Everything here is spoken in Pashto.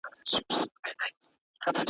ورته پاته په میراث وو له نیکونو ,